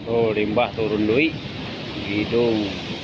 oh limbah turun duit hidung